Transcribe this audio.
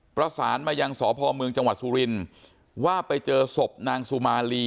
ประสานมายังสพเมืองจังหวัดสุรินทร์ว่าไปเจอศพนางสุมาลี